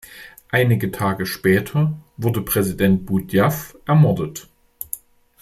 Einige Tage später wurde Präsident Boudiaf ermordet.